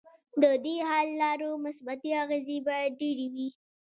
ددې حل لارو مثبتې اغیزې باید ډیرې وي.